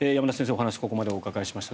お話ここまでお伺いしました。